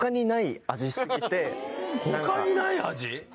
他にない味？